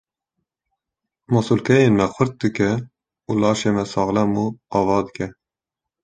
Masûlkeyên me xurt dike û laşê me saxlem û ava dike.